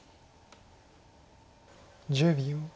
１０秒。